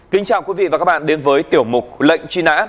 kính chào quý vị và các bạn đến với tiểu mục lệnh truy nã